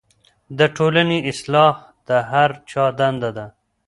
د ټولنې اصلاح د هر چا دنده ده.